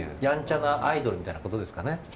やんちゃなアイドルみたいなことですかね。